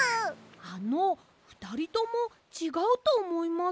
あのふたりともちがうとおもいます。